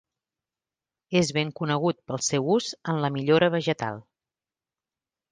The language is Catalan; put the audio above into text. És ben conegut pel seu ús en la millora vegetal.